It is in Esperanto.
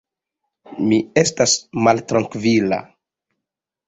Mi estas maltrankvila.